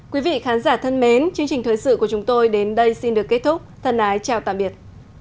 quý vị khán giả thân mến chương trình thời sự của chúng tôi đến đây xin được kết thúc thân ái chào tạm biệt